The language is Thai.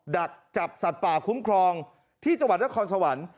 ที่จะจับสัตว์ป่าคุ้มครองที่จังหวัดและคอนสะวัน